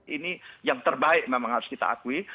ini yang terbaik memang harus kita akui